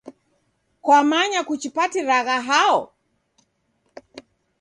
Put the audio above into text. Kwamanya kuchipatiragha hao?